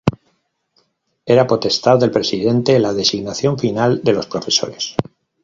Era potestad del presidente la designación final de los profesores.